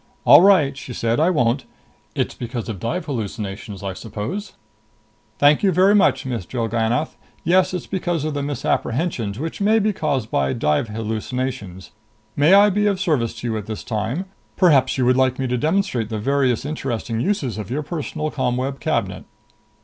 "All right," she said. "I won't. It's because of dive hallucinations, I suppose?" "Thank you very much, Miss Drellgannoth. Yes, it is because of the misapprehensions which may be caused by dive hallucinations. May I be of service to you at this time? Perhaps you would like me to demonstrate the various interesting uses of your personal ComWeb Cabinet?"